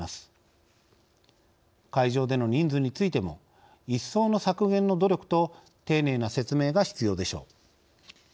会場での人数についても一層の削減の努力と丁寧な説明が必要でしょう。